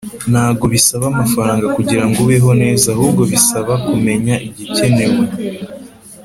Ntago bisaba amafaranga kugirango ubeho neza ahubwo bisaba kumenya igikenewe